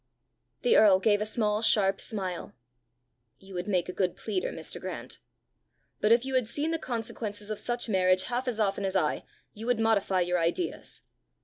The earl gave a small sharp smile. "You would make a good pleader, Mr. Grant! But if you had seen the consequences of such marriage half as often as I, you would modify your ideas.